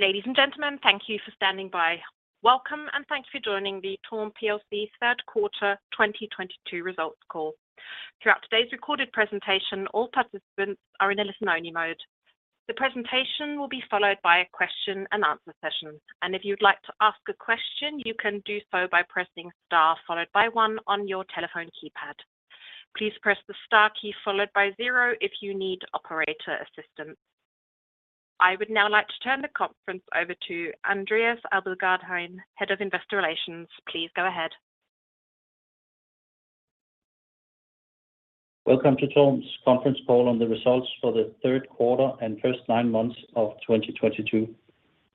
Ladies and gentlemen, thank you for standing by. Welcome, and thanks for joining the TORM plc third quarter 2022 results call. Throughout today's recorded presentation, all participants are in a listen-only mode. The presentation will be followed by a question and answer session. If you'd like to ask a question, you can do so by pressing star followed by one on your telephone keypad. Please press the star key followed by zero if you need operator assistance. I would now like to turn the conference over to Andreas Abildgaard-Hein, Head of Investor Relations. Please go ahead. Welcome to TORM's conference call on the results for the third quarter and first nine months of 2022.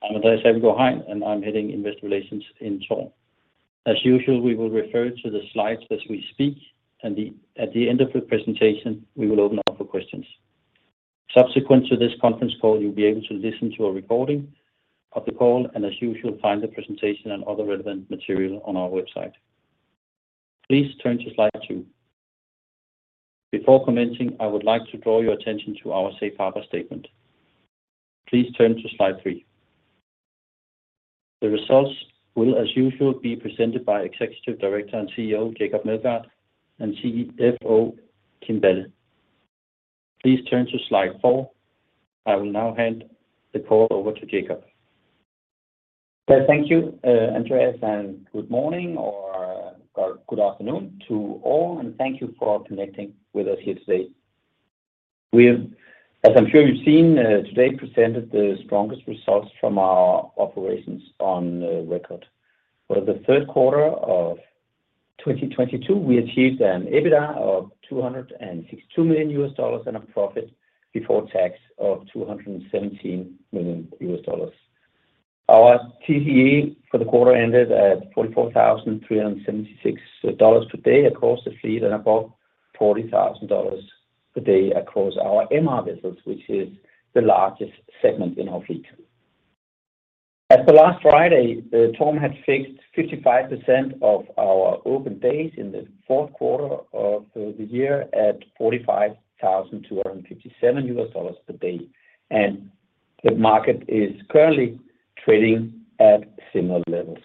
I'm Andreas Abildgaard-Hein, and I'm heading Investor Relations in TORM. As usual, we will refer to the slides as we speak, and then, at the end of the presentation, we will open up for questions. Subsequent to this conference call, you'll be able to listen to a recording of the call, and as usual, find the presentation and other relevant material on our website. Please turn to slide two. Before commencing, I would like to draw your attention to our safe harbor statement. Please turn to slide three. The results will, as usual, be presented by Executive Director and CEO Jacob Meldgaard and CFO Kim Balle. Please turn to slide four. I will now hand the call over to Jacob. Yeah. Thank you, Andreas, and good morning or good afternoon to all. Thank you for connecting with us here today. We have, as I'm sure you've seen, today presented the strongest results from our operations on record. For the third quarter of 2022, we achieved an EBITDA of $262 million and a profit before tax of $217 million. Our TCE for the quarter ended at $44,376 per day across the fleet and above $40,000 per day across our MR vessels, which is the largest segment in our fleet. As of last Friday, TORM had fixed 55% of our open days in the fourth quarter of the year at $45,257 per day, and the market is currently trading at similar levels.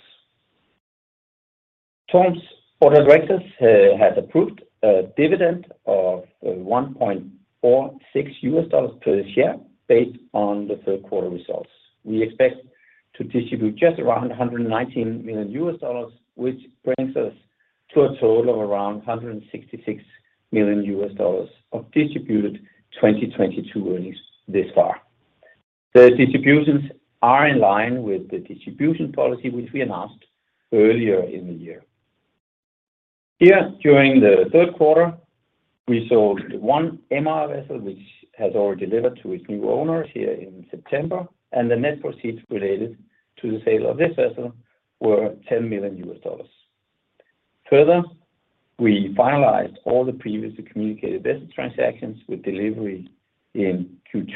TORM's Board of Directors has approved a dividend of $1.46 per share based on the third quarter results. We expect to distribute just around $119 million, which brings us to a total of around $166 million of distributed 2022 earnings thus far. The distributions are in line with the distribution policy, which we announced earlier in the year. During the third quarter, we sold one MR vessel, which has already delivered to its new owners here in September, and the net proceeds related to the sale of this vessel were $10 million. Further, we finalized all the previously communicated vessel transactions with delivery in Q2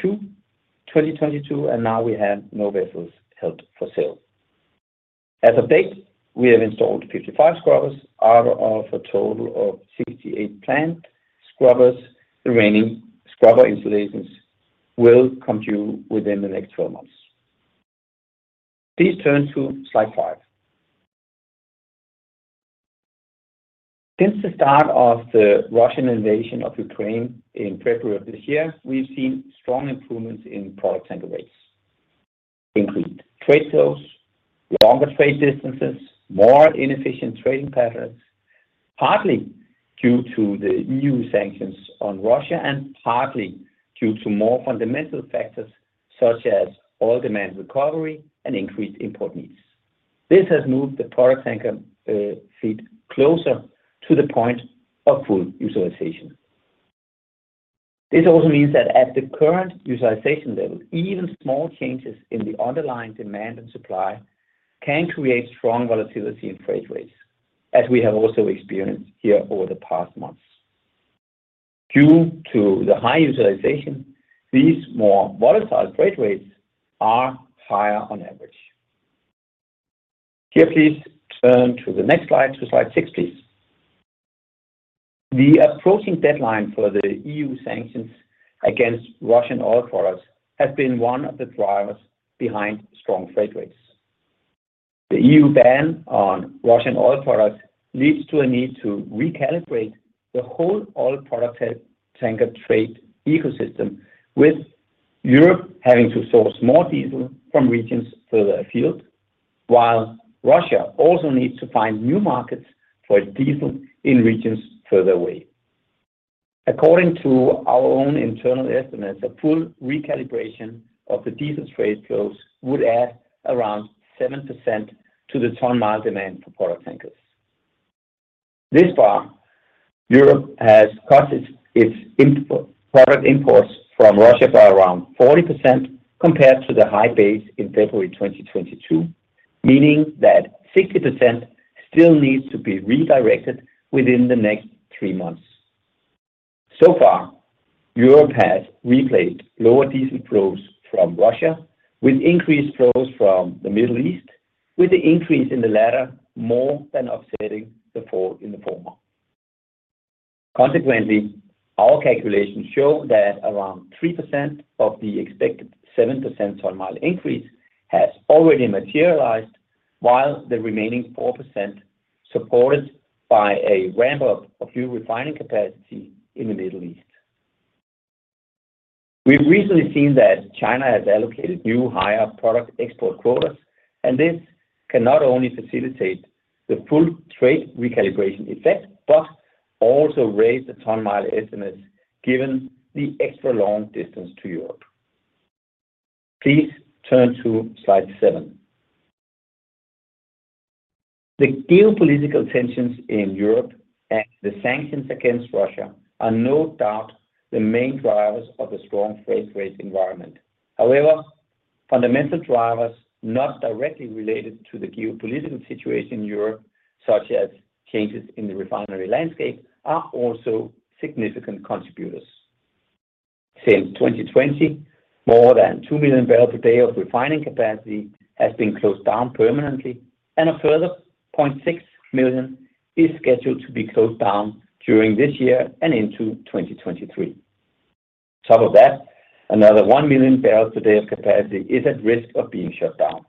2022, and now we have no vessels held for sale. As of today, we have installed 55 scrubbers out of a total of 68 planned scrubbers. The remaining scrubber installations will come due within the next 12 months. Please turn to slide five. Since the start of the Russian invasion of Ukraine in February of this year, we've seen strong improvements in product tanker rates. Increased trade flows, longer trade distances, more inefficient trading patterns, partly due to the EU sanctions on Russia and partly due to more fundamental factors such as oil demand recovery and increased import needs. This has moved the product tanker fleet closer to the point of full utilization. This also means that at the current utilization level, even small changes in the underlying demand and supply can create strong volatility in freight rates, as we have also experienced here over the past months. Due to the high utilization, these more volatile freight rates are higher on average. Here, please turn to the next slide, to slide six, please. The approaching deadline for the EU sanctions against Russian oil products has been one of the drivers behind strong freight rates. The EU ban on Russian oil products leads to a need to recalibrate the whole oil product tanker trade ecosystem, with Europe having to source more diesel from regions further afield, while Russia also needs to find new markets for its diesel in regions further away. According to our own internal estimates, a full recalibration of the diesel trade flows would add around 7% to the ton-mile demand for product tankers. Thus far, Europe has cut its product imports from Russia by around 40% compared to the high base in February 2022, meaning that 60% still needs to be redirected within the next three months. So far, Europe has replaced lower diesel flows from Russia with increased flows from the Middle East, with the increase in the latter more than offsetting the fall in the former. Consequently, our calculations show that around 3% of the expected 7% ton-mile increase has already materialized, while the remaining 4% supported by a ramp up of new refining capacity in the Middle East. We've recently seen that China has allocated new higher product export quotas, and this can not only facilitate the full trade recalibration effect, but also raise the ton-mile estimates given the extra long distance to Europe. Please turn to slide seven. The geopolitical tensions in Europe and the sanctions against Russia are no doubt the main drivers of the strong freight rate environment. However, fundamental drivers not directly related to the geopolitical situation in Europe, such as changes in the refinery landscape, are also significant contributors. Since 2020, more than 2 million barrels a day of refining capacity has been closed down permanently, and a further 0.6 million is scheduled to be closed down during this year and into 2023. On top of that, another 1 million barrels a day of capacity is at risk of being shut down.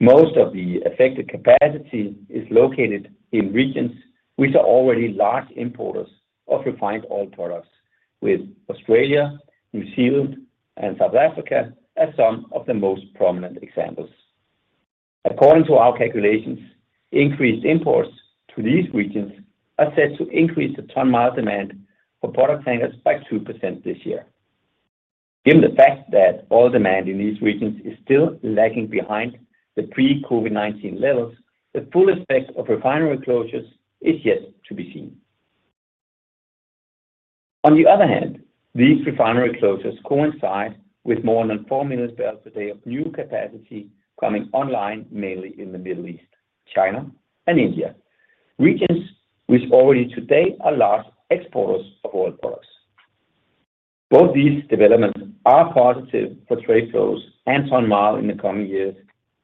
Most of the affected capacity is located in regions which are already large importers of refined oil products, with Australia, New Zealand and South Africa as some of the most prominent examples. According to our calculations, increased imports to these regions are set to increase the ton-mile demand for product tankers by 2% this year. Given the fact that oil demand in these regions is still lagging behind the pre-COVID-19 levels, the full effect of refinery closures is yet to be seen. On the other hand, these refinery closures coincide with more than 4 million barrels a day of new capacity coming online, mainly in the Middle East, China and India, regions which already today are large exporters of oil products. Both these developments are positive for trade flows and ton-mile in the coming years,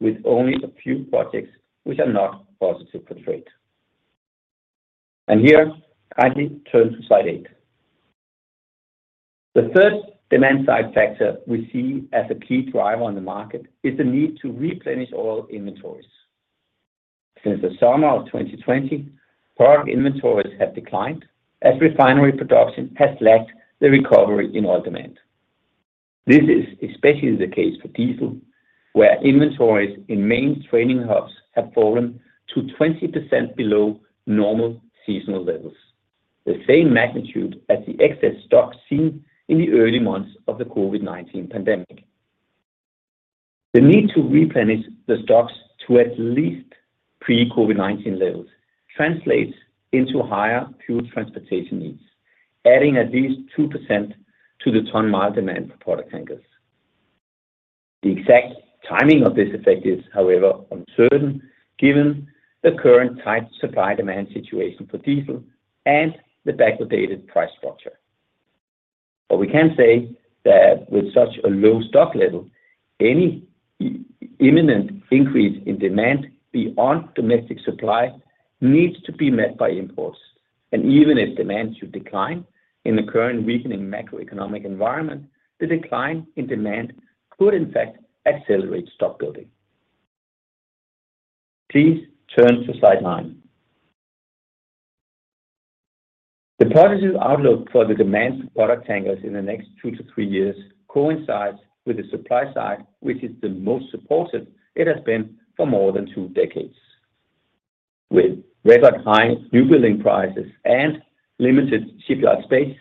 with only a few projects which are not positive for trade. Here kindly turn to slide eight. The third demand side factor we see as a key driver on the market is the need to replenish oil inventories. Since the summer of 2020, product inventories have declined as refinery production has lacked the recovery in oil demand. This is especially the case for diesel, where inventories in main trading hubs have fallen to 20% below normal seasonal levels, the same magnitude as the excess stocks seen in the early months of the COVID-19 pandemic. The need to replenish the stocks to at least pre COVID-19 levels translates into higher fuel transportation needs, adding at least 2% to the ton-mile demand for product tankers. The exact timing of this effect is, however, uncertain given the current tight supply demand situation for diesel and the backwardated price structure. We can say that with such a low stock level, any imminent increase in demand beyond domestic supply needs to be met by imports. Even if demand should decline in the current weakening macroeconomic environment, the decline in demand could in fact accelerate stock building. Please turn to slide nine. The positive outlook for the demand for product tankers in the next 2-3 years coincides with the supply side, which is the most supportive it has been for more than two decades. With record high new building prices and limited shipyard space,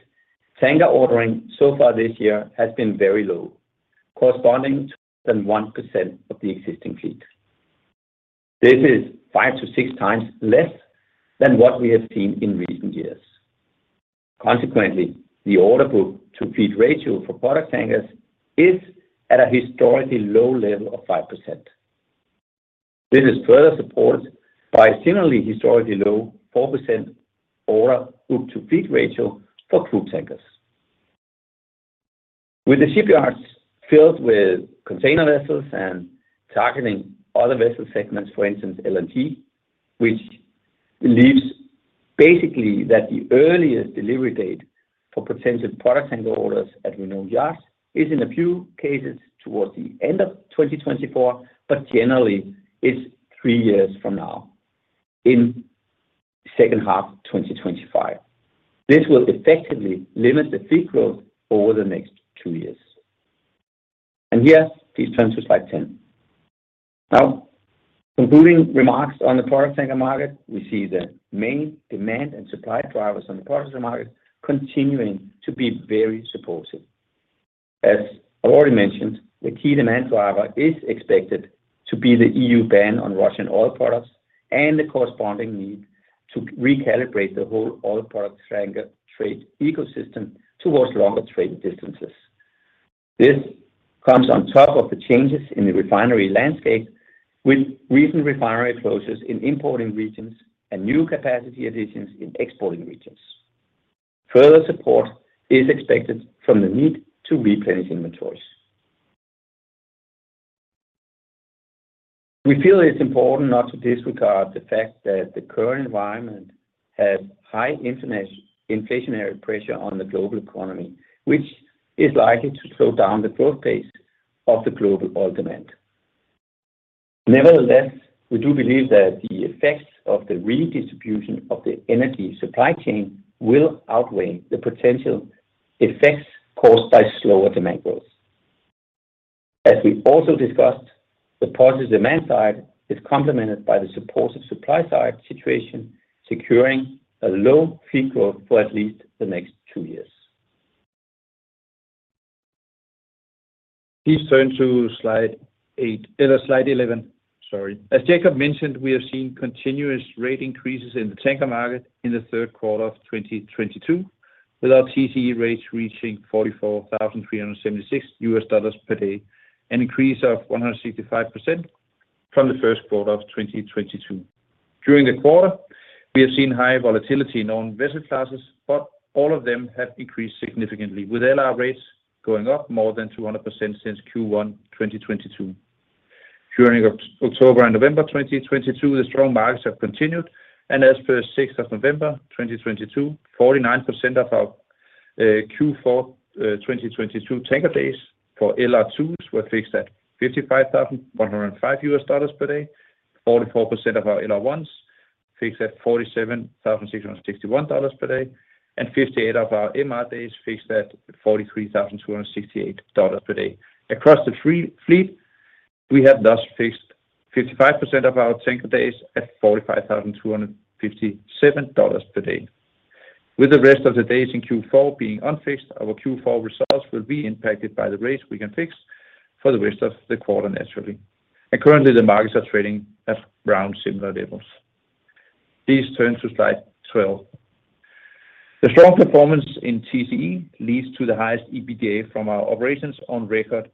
tanker ordering so far this year has been very low, corresponding to less than 1% of the existing fleet. This is 5x-6x less than what we have seen in recent years. Consequently, the order book to fleet ratio for product tankers is at a historically low level of 5%. This is further supported by a similarly historically low 4% order book to fleet ratio for crude tankers. With the shipyards filled with container vessels and targeting other vessel segments, for instance LNG, which leaves basically that the earliest delivery date for potential product tanker orders at renowned yards is in a few cases towards the end of 2024, but generally it's three years from now. In second half 2025, this will effectively limit the fleet growth over the next two years. Here, please turn to slide 10. Now concluding remarks on the product tanker market. We see the main demand and supply drivers on the product tanker market continuing to be very supportive. As I've already mentioned, the key demand driver is expected to be the EU ban on Russian oil products and the corresponding need to recalibrate the whole oil product tanker trade ecosystem towards longer trading distances. This comes on top of the changes in the refinery landscape, with recent refinery closures in importing regions and new capacity additions in exporting regions. Further support is expected from the need to replenish inventories. We feel it's important not to disregard the fact that the current environment has high inflationary pressure on the global economy, which is likely to slow down the growth pace of the global oil demand. Nevertheless, we do believe that the effects of the redistribution of the energy supply chain will outweigh the potential effects caused by slower demand growth. As we also discussed, the positive demand side is complemented by the supportive supply side situation, securing a low fleet growth for at least the next two years. Please turn to slide eight. Slide eleven, sorry. As Jacob mentioned, we have seen continuous rate increases in the tanker market in the third quarter of 2022, with our TCE rates reaching $44,376 per day, an increase of 165% from the first quarter of 2022. During the quarter, we have seen high volatility in owned vessel classes, but all of them have increased significantly, with LR rates going up more than 200% since Q1 2022. During October and November 2022, the strong markets have continued, and as per November 6, 2022, 49% of our Q4 2022 tanker days for LR2s were fixed at $55,105 per day. 44% of our LR1s fixed at $47,661 per day, and 58% of our MR days fixed at $43,268 per day. Across the free fleet, we have thus fixed 55% of our tanker days at $45,257 per day. With the rest of the days in Q4 being unfixed, our Q4 results will be impacted by the rates we can fix for the rest of the quarter naturally. Currently, the markets are trading at around similar levels. Please turn to slide 12. The strong performance in TCE leads to the highest EBITDA from our operations on record.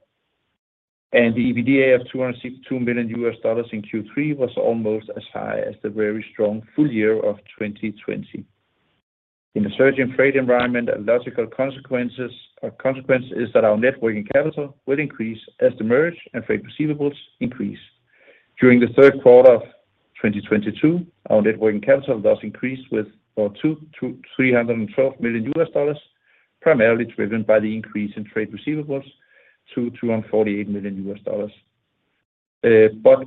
The EBITDA of $262 million in Q3 was almost as high as the very strong full year of 2020. In a surging freight environment, a logical consequence is that our net working capital will increase as the MR and freight receivables increase. During the third quarter of 2022, our net working capital thus increased with $212 million to $312 million, primarily driven by the increase in trade receivables to $248 million.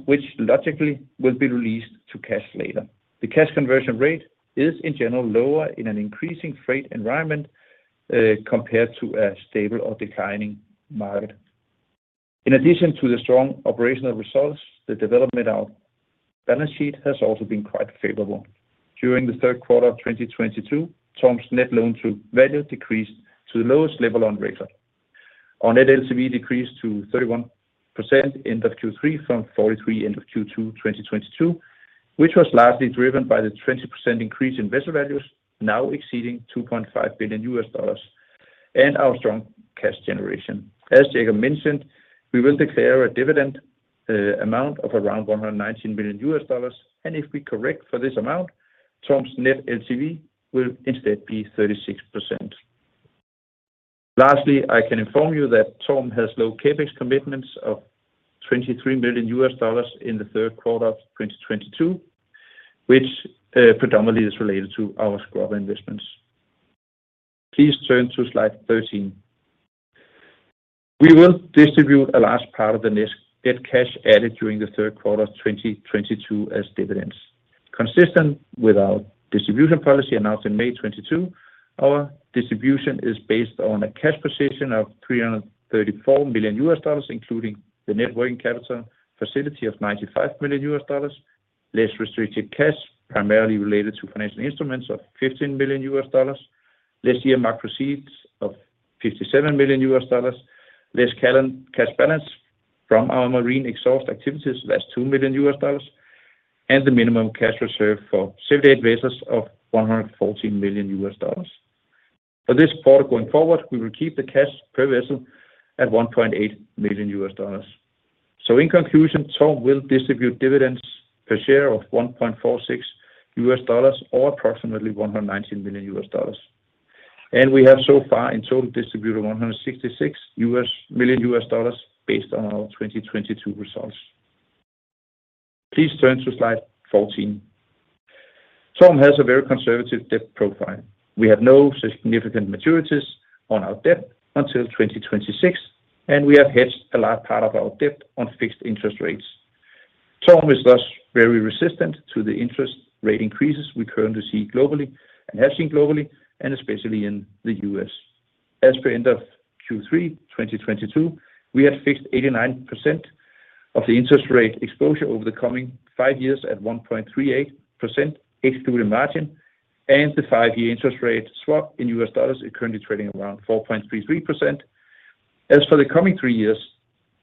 Which logically will be released to cash later. The cash conversion rate is in general lower in an increasing freight environment, compared to a stable or declining market. In addition to the strong operational results, the development of balance sheet has also been quite favorable. During the third quarter of 2022, TORM's net loan to value decreased to the lowest level on record. Our net LTV decreased to 31% end of Q3 from 43% end of Q2, 2022, which was largely driven by the 20% increase in vessel values now exceeding $2.5 billion and our strong cash generation. As Jacob mentioned, we will declare a dividend amount of around $119 million, and if we correct for this amount, TORM's net LTV will instead be 36%. Lastly, I can inform you that TORM has low CapEx commitments of $23 million in the third quarter of 2022, which predominantly is related to our scrubber investments. Please turn to lide 13. We will distribute a large part of the net cash added during the third quarter of 2022 as dividends. Consistent with our distribution policy announced in May 2022, our distribution is based on a cash position of $334 million, including the net working capital facility of $95 million, less restricted cash primarily related to financial instruments of $15 billion, less earmarked proceeds of $57 million, less cash balance from our marine exhaust activities, less $2 million, and the minimum cash reserve for safety administrators of $114 million. For this part going forward, we will keep the cash per vessel at $1.8 million. In conclusion, TORM will distribute dividends per share of $1.46, or approximately $119 million. We have so far in total distributed $166 million based on our 2022 results. Please turn to slide 14. TORM has a very conservative debt profile. We have no significant maturities on our debt until 2026, and we have hedged a large part of our debt on fixed interest rates. TORM is thus very resistant to the interest rate increases we currently see globally, and have seen globally, and especially in the U.S. As per end of Q3 2022, we have fixed 89% of the interest rate exposure over the coming five years at 1.38% excluding margin, and the five-year interest rate swap in U.S. dollars is currently trading around 4.33%. As for the coming three years,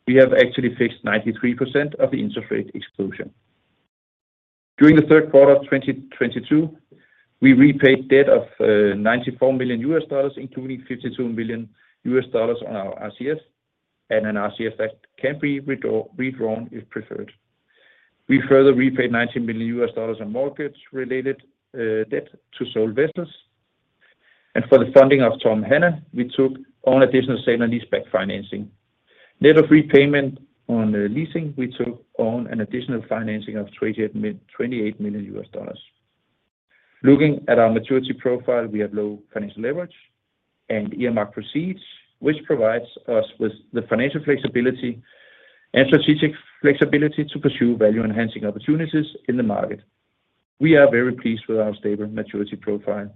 we have actually fixed 93% of the interest rate exposure. During the third quarter of 2022, we repaid debt of $94 million, including $52 million on our RCF and an RCF that can be redrawn if preferred. We further repaid $19 million on mortgage-related debt on sold vessels. For the funding of TORM Hannah, we took on additional sale and lease-back financing. Net of repayment on the leasing, we took on an additional financing of $28 million. Looking at our maturity profile, we have low financial leverage and earmarked proceeds, which provides us with the financial flexibility and strategic flexibility to pursue value-enhancing opportunities in the market. We are very pleased with our stable maturity profile.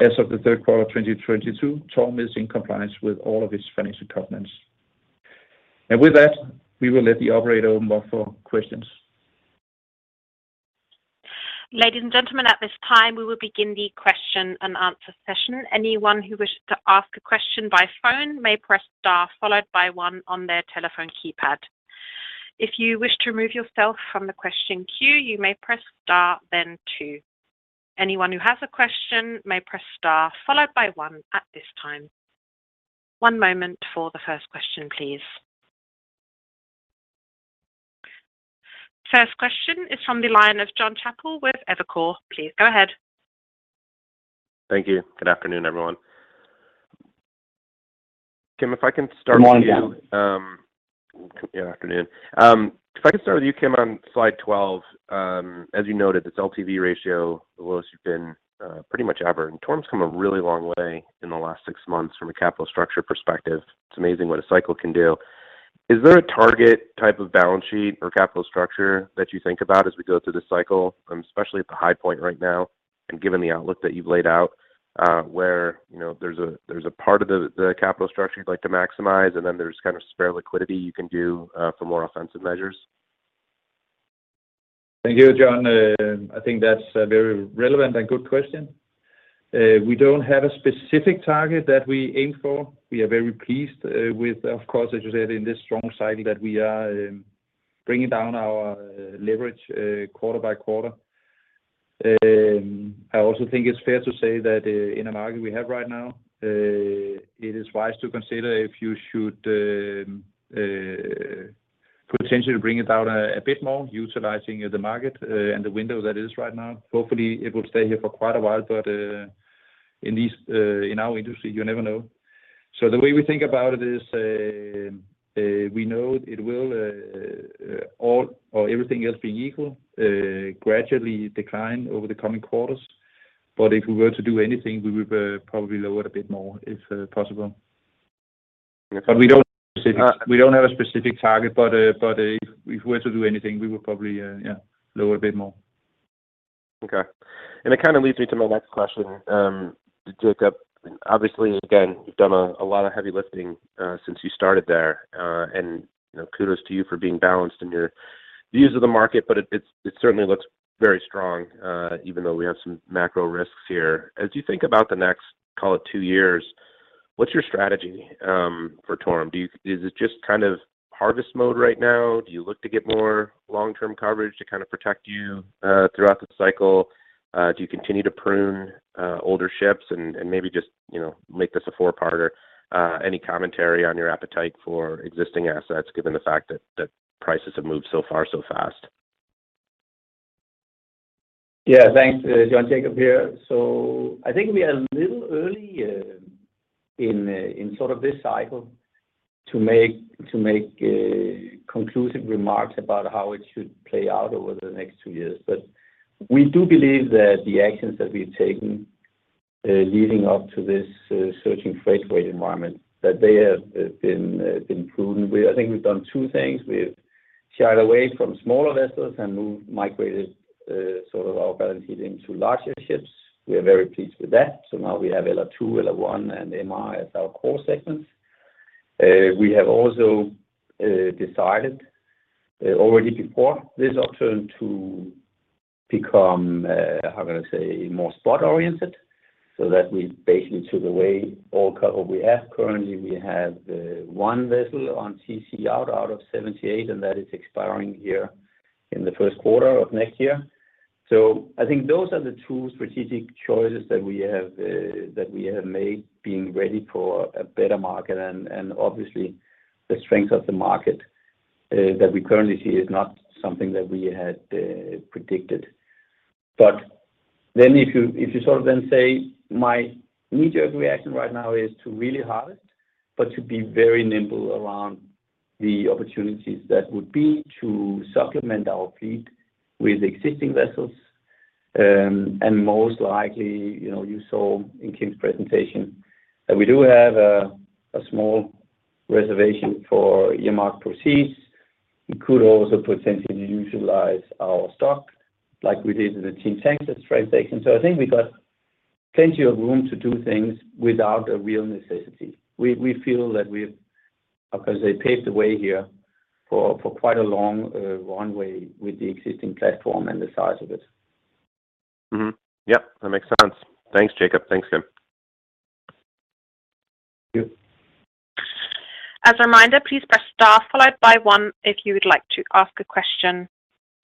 As of the third quarter of 2022, TORM is in compliance with all of its financial covenants. With that, we will let the operator open for questions. Ladies and gentlemen, at this time, we will begin the question and answer session. Anyone who wishes to ask a question by phone may press star followed by one on their telephone keypad. If you wish to remove yourself from the question queue, you may press star then two. Anyone who has a question may press star followed by one at this time. One moment for the first question, please. First question is from the line of Jonathan Chappell with Evercore. Please go ahead. Thank you. Good afternoon, everyone. Kim, if I can start with you. Good morning, John. Yeah, good afternoon. If I can start with you, Kim, on slide 12, as you noted, this LTV ratio, the lowest you've been, pretty much ever. TORM's come a really long way in the last six months from a capital structure perspective. It's amazing what a cycle can do. Is there a target type of balance sheet or capital structure that you think about as we go through this cycle, especially at the high point right now, and given the outlook that you've laid out, where, you know, there's a part of the capital structure you'd like to maximize, and then there's kind of spare liquidity you can do for more offensive measures? Thank you, John. I think that's a very relevant and good question. We don't have a specific target that we aim for. We are very pleased with, of course, as you said, in this strong cycle that we are bringing down our leverage quarter by quarter. I also think it's fair to say that in a market we have right now, it is wise to consider if you should potentially bring it down a bit more utilizing the market and the window that is right now. Hopefully, it will stay here for quite a while, but in this industry, you never know. The way we think about it is, we know it will, all else being equal, gradually decline over the coming quarters. If we were to do anything, we would probably lower it a bit more if possible. Okay. We don't have a specific target, but if we were to do anything, we would probably yeah lower a bit more. Okay. It kind of leads me to my next question. Jacob, obviously, again, you've done a lot of heavy lifting since you started there. You know, kudos to you for being balanced in your views of the market, but it's certainly looks very strong even though we have some macro risks here. As you think about the next, call it, two years, what's your strategy for TORM? Is it just kind of harvest mode right now? Do you look to get more long-term coverage to kind of protect you throughout the cycle? Do you continue to prune older ships and maybe just, you know, make this a four-parter? Any commentary on your appetite for existing assets given the fact that prices have moved so far so fast? Yeah. Thanks, John. Jacob here. I think we are a little early in sort of this cycle to make conclusive remarks about how it should play out over the next two years. We do believe that the actions that we've taken leading up to this surging freight rate environment, that they have been prudent. I think we've done two things. We've shied away from smaller vessels and moved, migrated sort of our balances into larger ships. We are very pleased with that. Now we have LR2, LR1, and MR as our core segments. We have also decided already before this upturn to become how can I say, more spot-oriented, so that we basically took away all cover we have. Currently, we have one vessel on TC out of 78, and that is expiring here in the first quarter of next year. I think those are the two strategic choices that we have made being ready for a better market. Obviously, the strength of the market that we currently see is not something that we had predicted. If you sort of then say my immediate reaction right now is to really harvest, but to be very nimble around the opportunities that would be to supplement our fleet with existing vessels. Most likely, you know, you saw in Kim's presentation that we do have a small reservation for earmarked proceeds. We could also potentially utilize our stock like we did with the Team Tankers transaction. I think we've got plenty of room to do things without a real necessity. We feel that we've, how can I say, paved the way here for quite a long runway with the existing platform and the size of it. Mm-hmm. Yep, that makes sense. Thanks, Jacob. Thanks, Kim. Thank you. As a reminder, please press star followed by one if you would like to ask a question.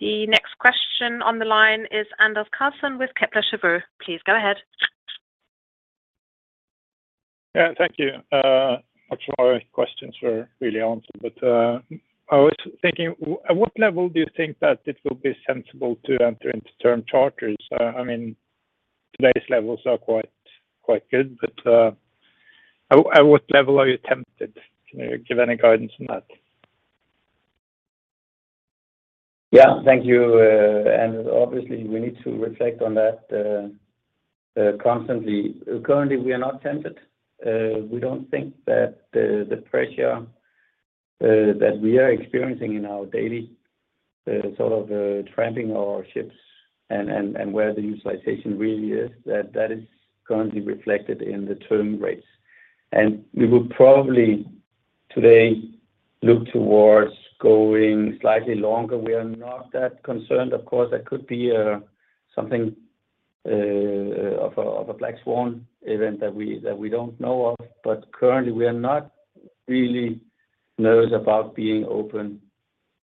The next question on the line is Anders Karlsen with Kepler Cheuvreux. Please go ahead. Yeah. Thank you, much of our questions were really answered, but I was thinking at what level do you think that it will be sensible to enter into term charters? I mean, today's levels are quite good, but at what level are you tempted? Can you give any guidance on that? Yeah. Thank you. Obviously we need to reflect on that constantly. Currently, we are not tempted. We don't think that the pressure that we are experiencing in our daily trading our ships and where the utilization really is, that is currently reflected in the term rates. We would probably today look towards going slightly longer. We are not that concerned. Of course, there could be something of a black swan event that we don't know of, but currently we are not really nervous about being open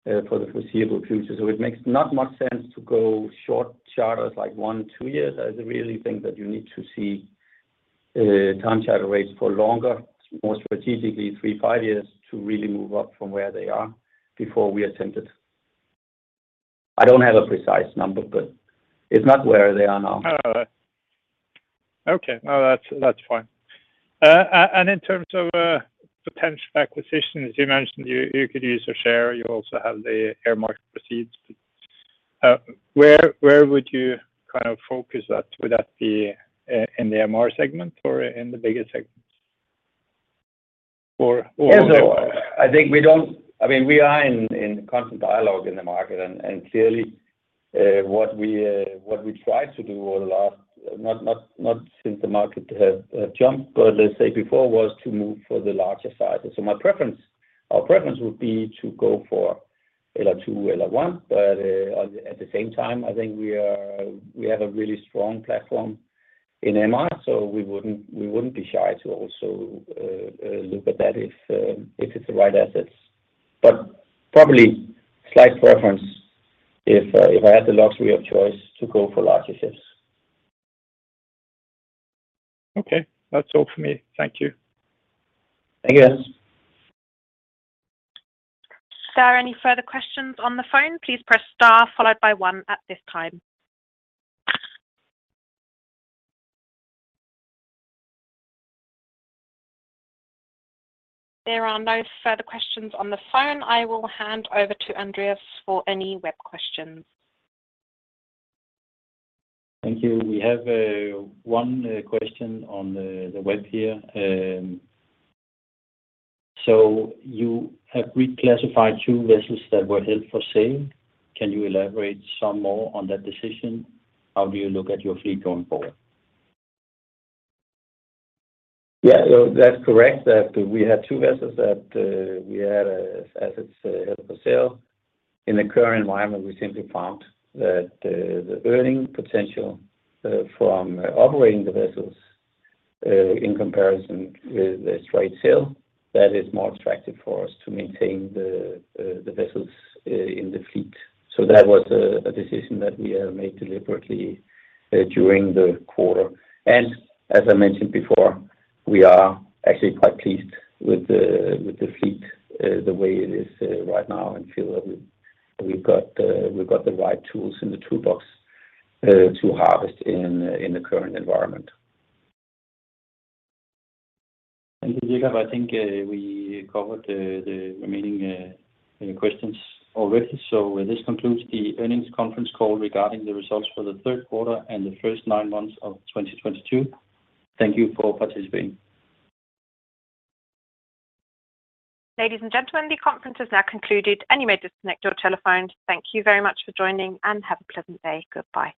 for the foreseeable future. It makes not much sense to go short charters like 1-2 years. I really think that you need to see time charter rates for longer, more strategically 3-5 years to really move up from where they are before we are tempted. I don't have a precise number, but it's not where they are now. All right. Okay. No, that's fine. In terms of potential acquisitions, you mentioned you could use cash, you also have the earmarked proceeds. Where would you kind of focus that? Would that be in the MR segment or in the bigger segments? Or Yeah. I mean, we are in constant dialogue in the market and clearly, what we tried to do over the last not since the market has jumped, but let's say before, was to move for the larger sizes. My preference, our preference would be to go for LR2, LR1. At the same time, I think we have a really strong platform in MR, so we wouldn't be shy to also look at that if it's the right assets. Probably slight preference if I had the luxury of choice to go for larger ships. Okay. That's all from me. Thank you. Thank you. Are there any further questions on the phone? Please press star followed by one at this time. There are no further questions on the phone. I will hand over to Andreas for any web questions. Thank you. We have one question on the web here. You have reclassified two vessels that were held for sale. Can you elaborate some more on that decision? How do you look at your fleet going forward? Yeah. That's correct that we had two vessels that we had as assets held for sale. In the current environment, we simply found that the earning potential from operating the vessels in comparison with a straight sale that is more attractive for us to maintain the vessels in the fleet. That was a decision that we made deliberately during the quarter. As I mentioned before, we are actually quite pleased with the fleet the way it is right now and feel that we've got the right tools in the toolbox to harvest in the current environment. Thank you, Jacob. I think we covered the remaining questions already. This concludes the earnings conference call regarding the results for the third quarter and the first nine months of 2022. Thank you for participating. Ladies and gentlemen, the conference is now concluded and you may disconnect your telephones. Thank you very much for joining and have a pleasant day. Goodbye.